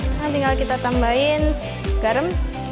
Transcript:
sekarang tinggal kita tambahin garam